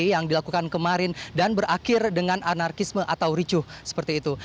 yang dilakukan kemarin dan berakhir dengan anarkisme atau ricuh seperti itu